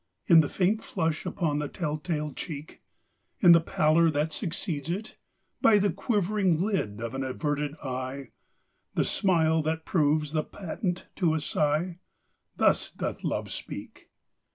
In the faint flush upon the tell tale cheek, And in the pallor that succeeds it; by The quivering lid of an averted eye The smile that proves the patent to a sigh Thus doth Love speak.